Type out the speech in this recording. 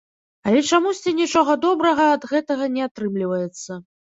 Але чамусьці нічога добрага ад гэтага не атрымліваецца.